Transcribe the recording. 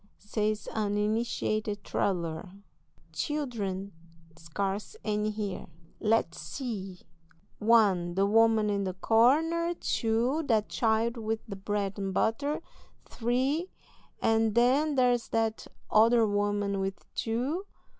says an initiated traveller, "children! scarce any here; let's see: one; the woman in the corner, two; that child with the bread and butter, three; and then there's that other woman with two.